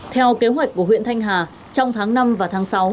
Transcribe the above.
theo kế hoạch của huyện thanh hà trong tháng năm và tháng sáu